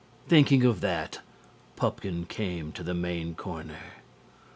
Thinking of that, Pupkin came to the main corner.